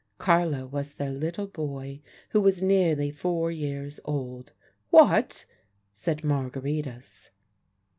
Carlo was their little boy, who was nearly four years old. "What?" said Margaritis.